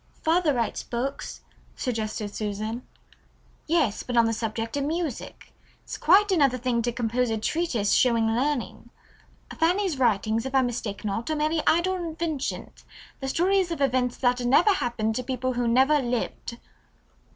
"Father writes books," suggested Susan. "Yes, but on the subject of music. It's quite another thing to compose a treatise showing learning. Fanny's writings, if I mistake not, are merely idle inventions, the stories of events that never happened to people who never lived."